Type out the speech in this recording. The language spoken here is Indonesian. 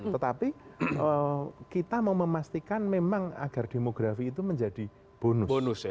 tetapi kita mau memastikan memang agar demografi itu menjadi bonus